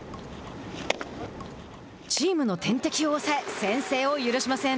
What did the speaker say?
チームの天敵を抑え先制を許しません。